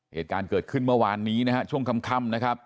เหตุการณ์เกิดขึ้นเมื่อวานนี้นะฮะช่วงค่ำนะครับ